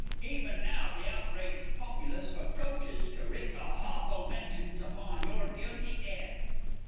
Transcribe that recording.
Even now the outraged populace approaches, to wreak a hawful vengeance upon your guilty 'ed!